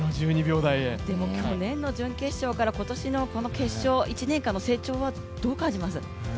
でも、去年の準決勝から今年の決勝、１年間の成長はどう感じます？